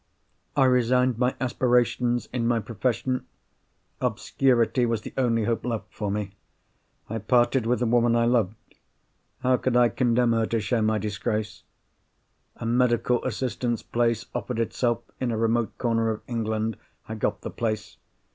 I resigned my aspirations in my profession—obscurity was the only hope left for me. I parted with the woman I loved—how could I condemn her to share my disgrace? A medical assistant's place offered itself, in a remote corner of England. I got the place.